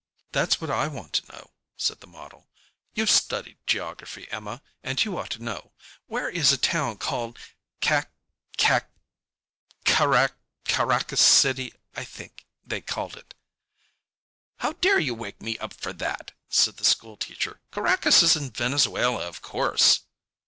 "That's what I want to know," said the model. "You've studied geography, Emma, and you ought to know. Where is a town called Cac—Cac—Carac—Caracas City, I think, they called it?" "How dare you wake me up for that?" said the school teacher. "Caracas is in Venezuela, of course."